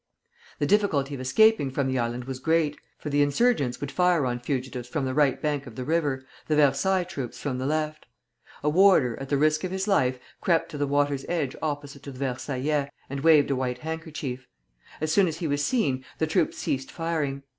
The difficulty of escaping from the island was great, for the insurgents would fire on fugitives from the right bank of the river, the Versailles troops from the left. A warder, at the risk of his life, crept to the water's edge opposite to the Versaillais, and waved a white handkerchief. As soon as he was seen, the troops ceased firing.